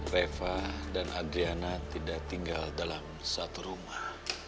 reva dan adriana tidak tinggal dalam satu rumah